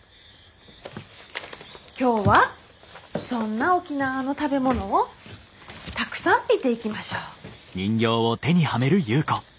今日はそんな沖縄の食べ物をたくさん見ていきましょう。